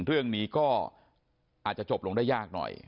เรื่องนี้ก็อาจจะจบลงได้ยากหน่อย